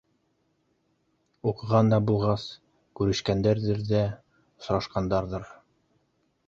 Уҡыған да булғас, күрешкәндәрҙер ҙә осрашҡандарҙыр.